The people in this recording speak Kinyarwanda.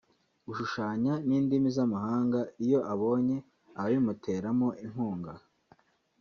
gushushanya n’indimi z’amahanga iyo abonye ababimuteramo inkunga